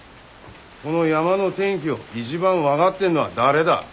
この山の天気を一番分がってんのは誰だ？